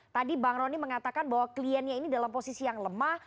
tadi bang rony mengatakan bahwa kliennya ini dalam posisi yang lemah